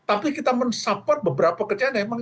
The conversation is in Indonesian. tapi kita men support beberapa pekerjaan